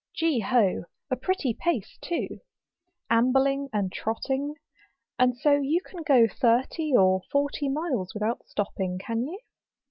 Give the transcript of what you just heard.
Gee ho! a pretty pace too. Ambling and trotting. And so you can go thirty or forty miles without stopping, can you